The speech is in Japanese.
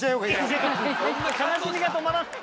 悲しみが止まらない。